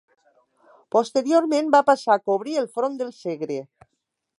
Posteriorment va passar a cobrir el front del Segre.